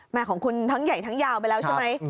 ของคุณทั้งใหญ่ทั้งยาวไปแล้วใช่ไหม